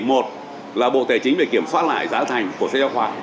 một là bộ tài chính phải kiểm soát lại giá thành của sách giao khoa